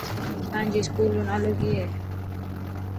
تانجي اسڪوول رو نالو ڪي هي.